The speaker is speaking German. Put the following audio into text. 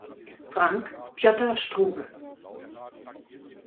Frank, Pjotr Struwe.